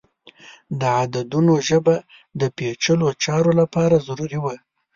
د عددونو ژبه د پیچلو چارو لپاره ضروری وه.